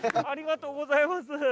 ありがとうございます。